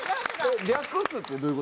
略すってどういう事？